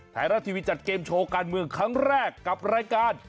ไทยรัฐทีวีจัดเกมโชว์การเมืองครั้งแรกกับรายการ